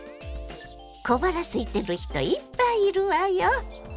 小腹すいてる人いっぱいいるわよ。